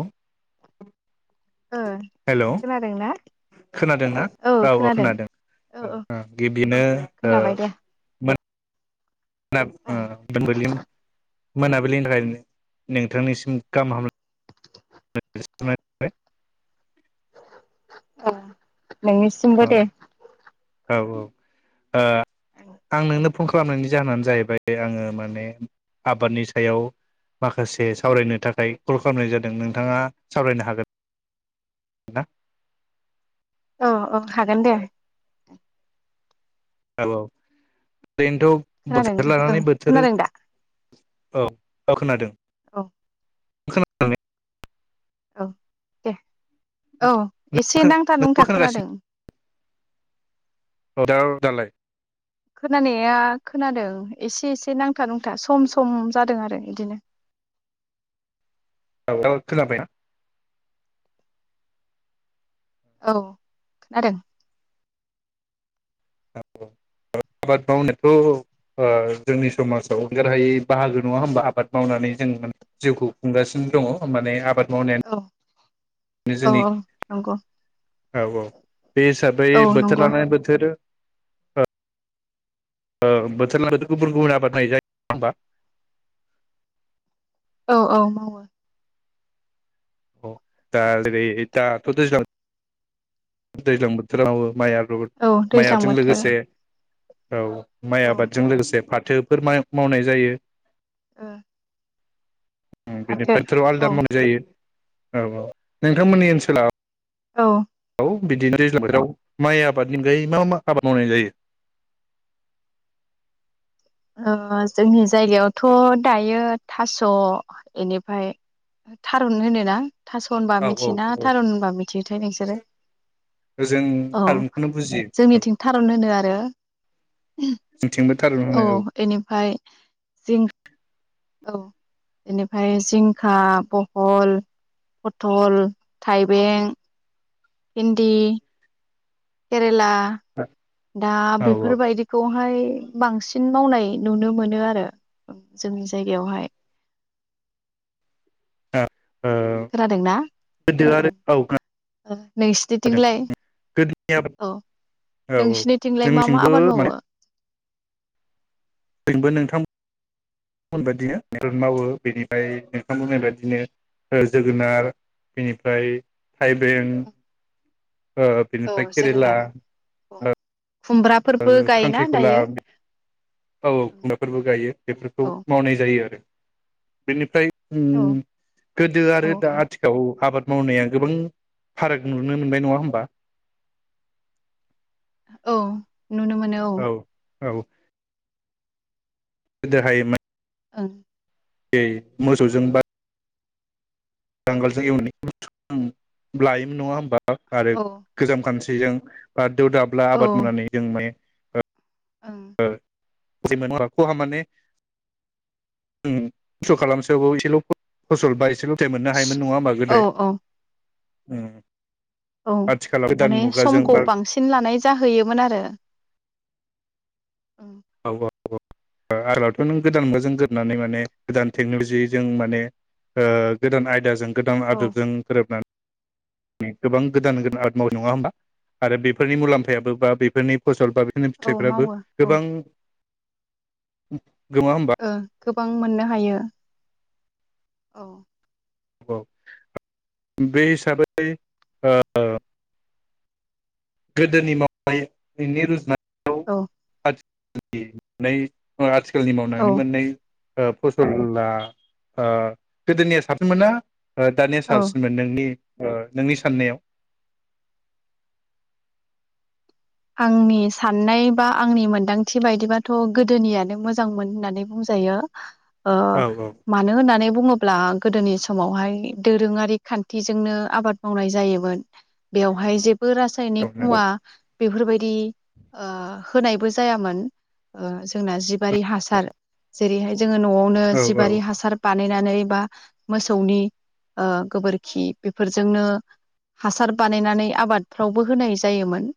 ह ओ हेल खोनादों ना? खोनादोंना औ औ खोनादों औ औ ओ गिबिनो ओ खोनाबाय दे मोन [inaudible] ओं मोनाबिलिनि थाखाय नोंथांनिसिम गाहाम हामलायनाय [inaudible] औ औ नोंनिसिमबो दे। औ औ ओ आं नोंनो फन खालामनायनि जाहोनानो जाहैबाय आङो माने आबादनि सायाव माखासे सावरायनो थाखाय कल खालामनाय जादों नोंथाङा सावरायनो हागोन ना? औ औ हागोन दे। हेल ओरैनोथ खोनादों बोथोर ओं लानानै बोथोर खोनादों दा औ औ खोनादों। औ [inaudible] औ दे औ एसे नांथा नोंबो नुंथा खोनागासिनो खोनादों। [inaudible] दालाय खोनानाया खोनादों एसे एसे नांथा नोंथा सम सम जादों आरो इदिनो। औ [unintelligible] खोनाबायना? औ खोनादों। [unintelligible] आबाद मावनायाथ ओ जोंनि समाजाव जेरहायै बाहागो नङा होमबा आबाद मावनानै जों जिउखौ खुंगासिनो दङ होन माने आबाद मावनायानो औ औ जोंनि औ नंगौ। औ औ बे हिसाबै औ बोथोर नंगौ लानानै बोथोर ओ बोथोर लाना [unintelligible] गुबुन-गुबुन आबाद [unintelligible] नाय जायो नङा होमबा औ औ मावो। औ दा जेरै दाथ दैज्लां दैज्लां बोथोरावो माइ आ औ [unintelligible] माइ दैज्लां आदजों बोथोर लोगोसे औ माइ औ आबादजों लोगोसे फाथ थोफोर मा मावनाय जायो। ओ फाथो बेनिफ्राय [unintelligible] आलदा औ मावनाय जायो। औ औ नोंथांमोननि ओनसोलाव औ खौ बिदि दैज्लां बोथोराव माइ आबादनि अनगायै मा मा आबाद मावनाय जायो। ओ जोंनि जायगायावथ' दायो थास' एनिफाय थारुन होनोना थास' होनबा औ मिथियोना औ थारुन होनबा मिथियोथाय नोंसोरो जों औ थारुनखौनो बुजियो औ जोंनिथिं थारुन होनो आरो जोंथिंबो थारुन होनो औ एनिफाय जिं औ एनिफाय जिंखा, बहल, पथल, थाइबें पिन्दि केेरेला [inaudible] दा औ बेफोरबायदिखौहाय बांसिन मावनाय नुनो मोनो आरो ओ जोंनि जायगायावहाय [inaudible] खोनादोंना गोदो आरो ओं औ ओ खोनादों नोंसिथिथिलाय गोदोनि आबाद अ औ औ नोसिनिथिलाय मा मा जोंथिंबो आबाद माने मावो? जोंबो नोंथांमोनबायदिनो मावो बेनिफाय नोंथां बुंनाय बायदिनो जोगोनार बेनिफ्राय थाइबें ओ औ बिनिफ्राय खेरेला जोगोनार औ ओ खुमब्राफोरबो गायोना खांख्रिखला दायो? औ औ खुमराफोरबो गायो बेफोरखौ औ मावनाय जायो आरो बेनिफ्राय उम औ गोदो औ आरो दा औ आथिखालाव आबाद मावनाया गोबां फाराग नुनो मोनबाय नङा होमबा? औ नुनो मोनो औ औ गोदो हायोमोन ओं [unintelligible] मोसौजों बा नांगोलजो [unintelligible] लायोमोन नङा होमबा आरो औ गोजाम खान बिजों बा दो दाब्ला औ आबाद मावनानै [unintelligible] ओं [unintelligible] [unintelligible] खहा माने उम खस्थ खालामसेयावबो एसेल फसल बा एसेल फिथाइ मोननो हायोमोन नङा होमबा औ गोदोहाय औ उम औ माने समखौ बा बांसिन लानाय जाहैयोमोन आरो ओं [unintelligible] आगोलावथ नों गोदान मुगाजों गोरोबनानै माने गोदान टेकनलजिजों माने ओ गोदान आयदाजों गोदान औ आदबजों गोरोबना गोबां गोदान गोदान आबाद मावबाय नङा होमबा आरो बेफोरनि मुलाम्फायाबो बा बेफोरनि फसल बा बिदिनो औ फिथाइफ्राबो मावो औ गोबां [inaudible] गोमा होमबा ओ गोबां मोननो हायो औ औ [unintelligible] बे हिसाबै ओ गोदोनि मावनायनि रुजुनाय औ [unintelligible] खालनि मावनानै औ मोननाय ओ फसला ओ गोदोनिया साबसिनमोनना दानिया औ साबसिनमोन नोंनि ओ नोंनि साननायाव आंनि साननाय बा आंनि मोनदांथि बायदिबाथ गोदोनियानो मोजांमोन होननानै बुंजायो ओ औ मानो होननानै बुङोब्ला गोदोनि समावहाय दोरोङारि खान्थिजोंनो आबादमावनाय जायोमोन बेयावहाय जेब बो औ रासायनिक नंगौ मुवा बेफोरबायदि ओ होनायबो जायामोन ओ जोंना जिबारि हासार जेरैहाय जोङो नआवनो औ औ जिबारि हासार बा बानायनानै बा मोसौनि ओह गोबोरखि बेफोरजोंनो हासार बानायनानै आबादफ्रावबो होनाय जायोमोन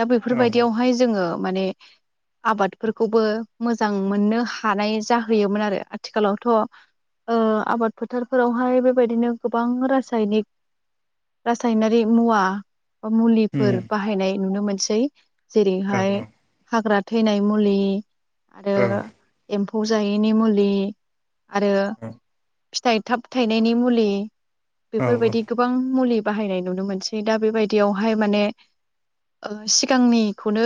दा औ बेैफोरबायदियावहाय जोङो माने आबादफोरखौबो मोजांमोननो हानाय जाहैयोमोनआरो आथिखालावथ ओ आबाद फोथारफोरावहाय बेबायदिनो गोबां रासायनिक रासायनारि मुवा उम मुलिफोर बाहायनाय। नुनो मोन सै। औ जेरैहाय हाग्रा। थैनाय मुलि। आरो औ एम फौ जायैनि मुलि। आरो। फिथाइ थाब थायनायनि मुलि। औ औ बेफोरबायदि गोबां मुलि। बाहायनाय नुनो मोनसै दा बेबायदियावहाय माने। सिगांनिखौनो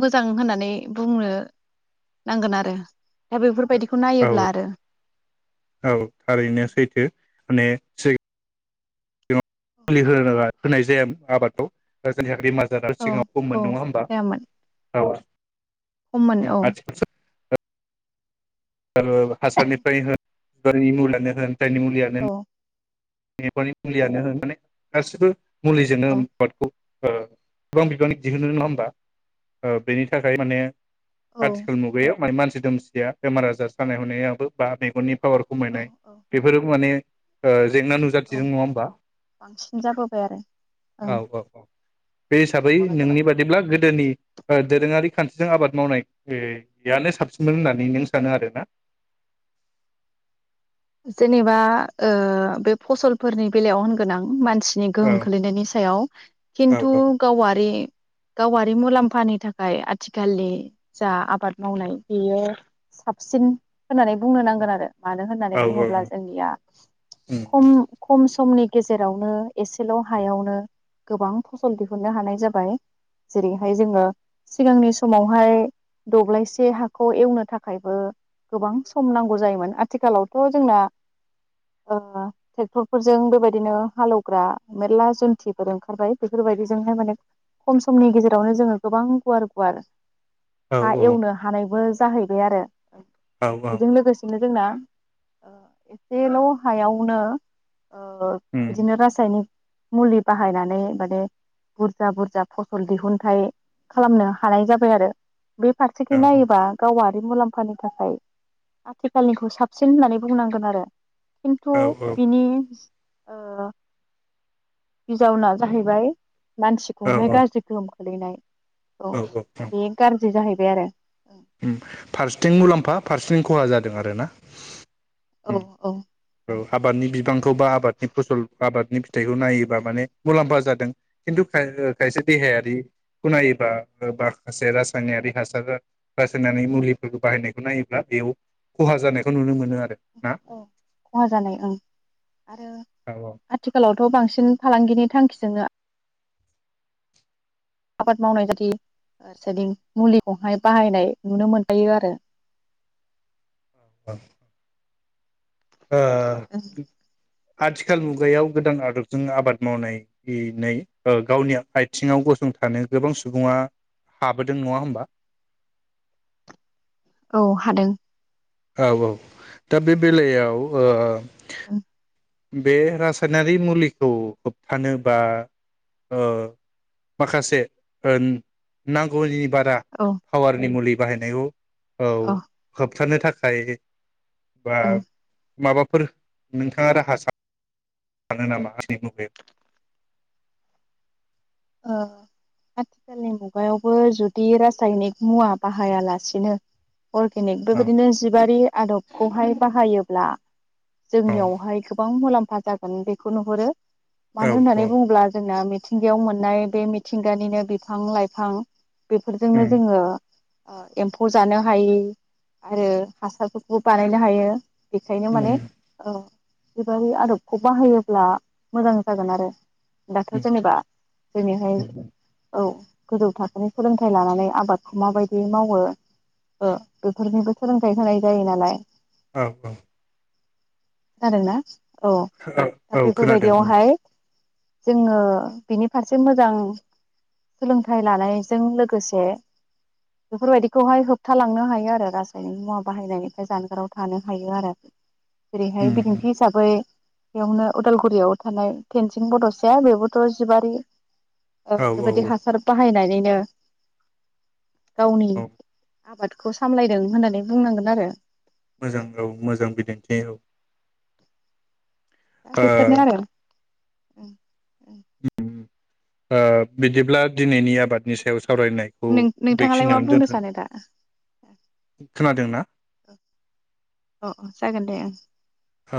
मोजां होननानै बुंनो नांगोन आरो। दा बेफोरबायदिखौ औ नायोब्ला आरो औ थारैनो सैथो माने [unintelligible] मुलि होनो होनाय जाया आबादखौ [unintelligible] बेमारा औ सिगाङाव खममोन औ नङा होमबा। जायामोन [unintelligible] खममोन औ। हासारनिफ्राय होन [unintelligible] होन [unintelligible] मुलियानो। औ [unintelligible] औ मुलियानो होन माने गासैबो। मुलिजोंनो औ [unintelligible] ओ गोबां बिबांनि दिहुननो नङा होमबा बेनि थाखाय माने औ आथिखाल मुगायाव माने मानसि [unintelligible] सिया बेमार आजार सानाय हुनायावबो बा मेगननि पावार औ खमायनाय औ बेफोरो माने ओ जेंना नुजाथिदों औ नङा होमबा? बांसिन जाबोबाय आरो ओं औ-औ-औ बे हिसाबै नोंनि बायदिब्ला गोदोनि ओ दोरोङारि खान्थिजों आबाद मावनाय ओ यानो साबसिनमोन होननानै नों सानो आरोना? जेनेबा ओ बे फसलफोरनि बेलायाव होनगोन आं मान सिनि औ गोहोम खोलैनायनि सायाव औ खिन्थु औ गावारि गावारि मुलाम्फानि थाखाय आथिखालनि जा आबाद मावनाय बेयो साबसिन होननानै बुंनो नांगोन आरो मानो औ होननानै‌ औ बुङोब्ला जोंनिया खम-खम समनि गेजेरावनो एसेल' हायावनो गोबां फसल दिहुननो हानाय जाबाय जेरैहाय जोङो सिगांनि समावहाय दब्लायसे हाखौ एवनो थाखायबो गोबां सम नांगौ जायोमोन आथिखालाव थ' जोंना ओ ट्रेक्टरफोरजों बेबायदिनो हालेवग्रा मेरला जन्थिफोर ओंखारबाय बेफोरबायदिजोंहाय माने खम समनि गेजेरावनो जोङो गोबां गुवार-गुवार औ हा एवनो हानायबो जाहैबाय आरो औ बेजों लोगोसेनो जोंना ओ एसेल' हायावनो ओ उम बिदिनो रासायनिक मुलि बाहायनानै माने बुरजा बुरजा फसल दिहुनथाइ खालामनो हानाय जाबाय आरो। बे फारसेथिं औ औ औ नायोबा गावा बे मुलाम्फानि थाखाय आथिखालनिखौ साबसिन होननानै बुंनांगोन आरो। खिन्थु औ बिनि ओ बिजावना जाहैबाय औ मानसिखौहाय गाज्रि गोहोम खोलैनाय औ बेयो गारजि जाहै बे आरो। उम फारसेथिं मुलाम्फा फारसेथिं खहा जादों आरो ना। औ औ। औ आबादनि बिबांखौ बा आबादनि फसल आबादनि बिथाइखौ नायोबा माने मुलाम्फा जादों खिन्तु खाय-खायसे देहायारिखो नायोबा ओ माखासे रासायनारि हासारजों रासायनारि मुलिफोरखौ बाहायनायखौ नायोब्ला बेयाव खहा जानायखौ नुनो मोनो आरो। हा औ खहा जानाय ओं आरो औ आथिखालावथ' बांसिन फालांगि बे थांखिजोंनो आबाद मावनाय बादि जेदिं मुलिखौहाय बाहायनाय नुनो मोनजायो आरो। [inaudible] ओ आथिखाल मुगायाव गोदान आदबजों आबाद मावनाय इ नै ओ गावनि आथिङाव गसंथानो गोबां सुबुङा हाबोदों नङा होमबा? औ हादों। औ औ दा बे बेलायाव ओ। उम बे रासायनारि मुलिखौ होबथानो बा ओ माखासे ओ नांगौ बारा औ औ फावारनि मुलि। बाहायनायाव औ होब होबथानो थाखाय बा ओं माबाफोर नोंथाङा रा [unintelligible] [unintelligible] ओ आथिखालनि मुगायावबो जुदि रासायनिक मुवा बाहायालासिनो अर्गेनिक बेबादिनो जिबारि आदबखौहाय बाहायोब्ला औ जोंनियावहाय गोबां मुलाम हा जागोन बेखौ नुहरो। औ मानो होननानै औ बुङोब्ला जोंना थिंगायाव मोन नाय बे मिथिंगानिनो बिफां लाइफां बेफोरजोंनो उम जोङो ओ एम्फौ जानो हायि आरो हासारफोरखौ बानायनो हायो। बेखायनो माने उम औ बेबादि आदबखौ बाहोयोब्ला मोजां जागोन आरो। दाथ उम जेनेबा दिनैहाय उम औ गोजौ थाखोनि सोलोंथाइ लानानै आबादखौ माबायदि मावो ओ बेफोरनिबो सोलोंथाइ होनाय जायो नालाय। औ औ खोनादोंना? औ औ दा औ खोनादों उम बेफोरबायदियावहाय जोङो बिनि फारसे मोजां सोलोंथाइ लानायजों लोगोसे बेफोरबायदिखौहाय होबथालांनो हायो आरो रासायनिक मुवा बाहायनायनिफ्राय जानगाराव थानो हायो आरो। जेरैहाय बिदिन्थि उम हिसाबै - बेयावनो उदालगुरियाव थानाय टेनसिं बडसाया बेबोथ जिबारि ओ औ औ बेबायदि औ हासार बाहाय [unintelligible] गावनि औ आबादखौ सामलायदों होननानै बुंनांगोन आरो। मोजां औ मोजां बिदिन्थि औ ओ बेफोरनो आरो उम ओ बिदिब्ला दिनैनि आबादनि सायाव सा नों-नोंथाङालाय मा बुंनो सानो दा? खोनादों ना? अह अह जागोन दे ओं।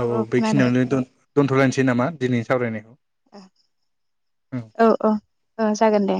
औ औ बेखिनियावनो दोन-दोनथ'लायनोसै नामा दिनैनि सावरायनायखौ? औ औ जागोन दे।